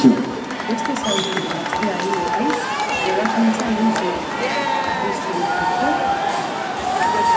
Beste zauritu gazteari, berriz, ebakuntza egin zioten eta arriskutik kanpo dago.